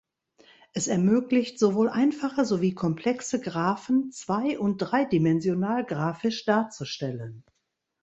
Es ermöglicht sowohl einfache sowie komplexe Graphen zwei- und dreidimensional graphisch darzustellen.